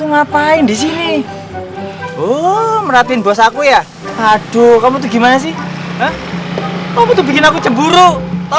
ngapain di sini oh meratin bos aku ya aduh kamu tuh gimana sih kamu tuh bikin aku cemburu tahu